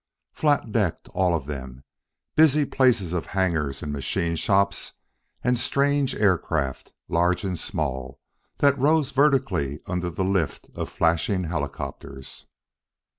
Flat decked, all of them; busy places of hangars and machine shops and strange aircraft, large and small, that rose vertically under the lift of flashing helicopters.